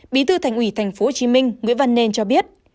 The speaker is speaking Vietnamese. bí thư thành ủy tp hcm nguyễn văn nên cho biết